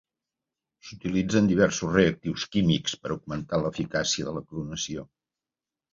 S'utilitzen diversos reactius químics per augmentar l'eficàcia de clonació.